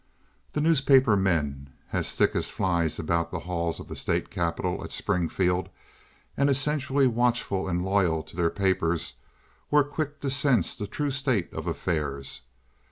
The newspaper men—as thick as flies about the halls of the state capitol at Springfield, and essentially watchful and loyal to their papers—were quick to sense the true state of affairs.